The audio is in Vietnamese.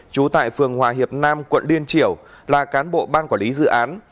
chú tài phường hòa hiệp nam quận điên triểu là cán bộ ban quản lý dự án